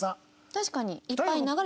確かに。